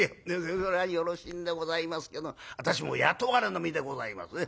「それはよろしいんでございますけど私も雇われの身でございますね。